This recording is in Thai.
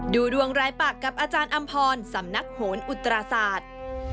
ดูดวงรายปากกับอาจารย์อำพรสำนักโหนอุตราศาสตร์